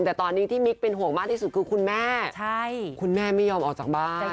แต่ตอนนี้ที่มิ๊กเป็นห่วงมากที่สุดคือคุณแม่คุณแม่ไม่ยอมออกจากบ้าน